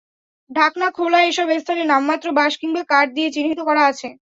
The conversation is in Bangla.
ঢাকনা খোলা এসব স্থানে নামমাত্র বাঁশ কিংবা কাঠ দিয়ে চিহ্নিত করা আছে।